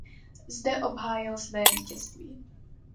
Zde obhájil své vítězství.